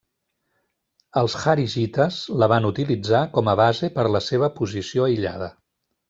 Els kharigites la van utilitzar com a base per la seva posició aïllada.